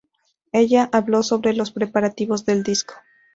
Ella habló sobre los preparativos del disco.